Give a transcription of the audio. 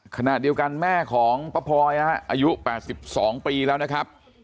ขณะเดียวกันแม่ของป้าพลอยอายุ๘๒ปีแล้วนะครับ